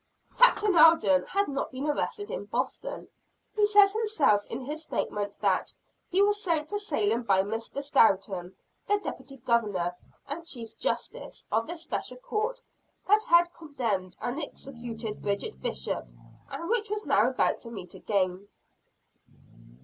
Captain Alden had not been arrested in Boston. He says himself in his statement, that "he was sent to Salem by Mr. Stoughton" the Deputy Governor, and Chief Justice of the Special Court that had condemned and executed Bridget Bishop, and which was now about to meet again.